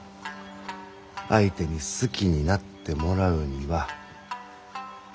相手に好きになってもらうには。